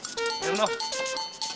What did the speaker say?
sisi jualan lagi ya